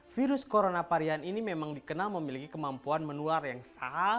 virus corona varian ini memang dikenal memiliki kemampuan menular yang sama